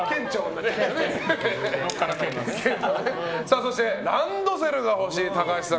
そしてランドセルが欲しい高橋さん